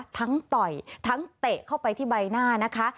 ทั้งต่อยทั้งเตะเข้าไปที่ใบหน้า